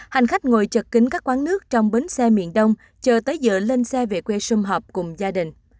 hành khách ngồi chật kính các quán nước trong bến xe miền đông chờ tới giờ lên xe về quê xung hợp cùng gia đình